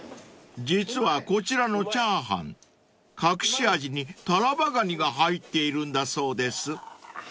［実はこちらのチャーハン隠し味にタラバガニが入っているんだそうです］